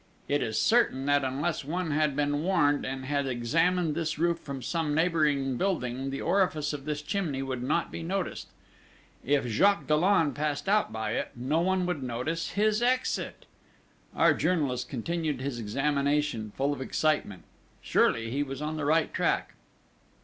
It is certain that unless one had been warned, and had examined this roof from some neighbouring building, the orifice of this chimney would not be noticed. If Jacques Dollon passed out by it, no one would notice his exit!" Our journalist continued his examination, full of excitement. Surely he was on the right track!